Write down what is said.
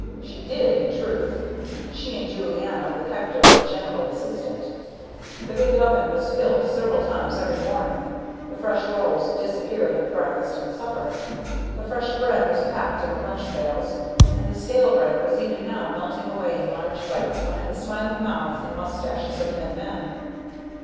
She did in truth, she and Julianna with Hector as general assistant. The big oven was filled several times every morning: the fresh rolls disappeared at breakfast and supper, the fresh bread was packed in the lunch pails, and the stale bread was even now melting away in large bites behind the smiling mouths and mustaches of many men.